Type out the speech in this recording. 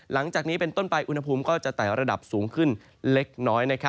หลังจากนี้เป็นต้นไปอุณหภูมิก็จะไต่ระดับสูงขึ้นเล็กน้อย